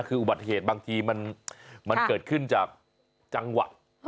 คืออุบัติเหตุบางทีมันเกิดขึ้นจากจังหวะ